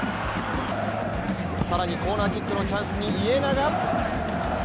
更に、コーナーキックのチャンスに家長。